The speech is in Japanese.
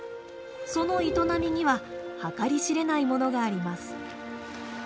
その営みには計り知れないものがあります。